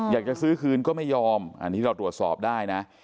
อยากจะซื้อคืนก็ไม่ยอมอันนี้เราตรวจสอบได้นะ